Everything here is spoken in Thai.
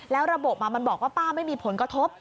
แล้วระบบมันบอกว่าป้าไม่มีผลกระทบ